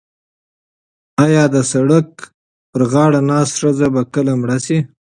ایا د سړک پر غاړه ناسته ښځه به کله مړه شي؟